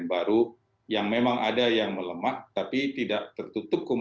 tapi waktu itu bukannya bersifat yang lebih cepat yang resteansierd hola